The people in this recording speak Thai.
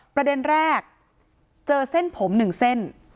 ประเด็นแรกเจอเส้นผม๑เส้น